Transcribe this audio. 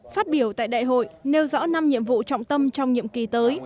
phát biểu tại đại hội nêu rõ năm nhiệm vụ trọng tâm trong nhiệm kỳ tới